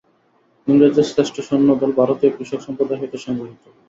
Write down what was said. ইংরেজের শ্রেষ্ঠ সৈন্যদল ভারতীয় কৃষক-সম্প্রদায় হইতে সংগৃহীত।